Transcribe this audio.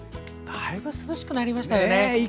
だいぶ涼しくなりましたね。